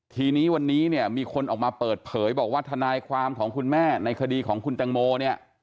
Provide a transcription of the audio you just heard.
ทีนี้วันนี้เนี่ยมีคนออกมาเปิดเผยบอกว่าทนายความของคุณแม่ในคดีของคุณแตงโมเนี่ย